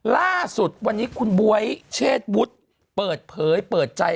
ล่าสุดวันนี้คุณบ๊วยเชษวุฒิเปิดเผยเปิดใจ